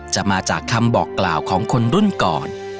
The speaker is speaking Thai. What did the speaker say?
จะมาจากคำบอกกล่าวของคนรุ่นก่อน